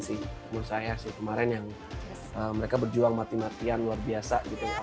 menurut saya kemarin mereka berjuang mati matian luar biasa